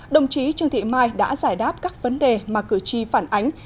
đồng chí trương thị mai đã giải đáp các vấn đề mà cử tri phản ánh